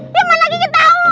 ya mana kike tau